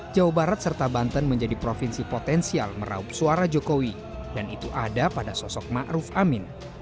jawa barat serta banten menjadi provinsi potensial meraup suara jokowi dan itu ada pada sosok ⁇ maruf ⁇ amin